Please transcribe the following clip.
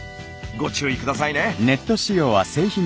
ご注意下さいね！